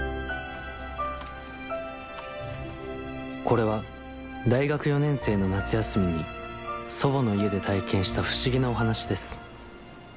これは大学４年生の夏休みに祖母の家で体験した不思議なお話です。